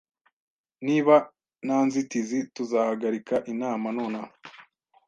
Niba nta nzitizi, tuzahagarika inama nonaha